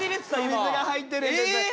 お水が入ってるんです。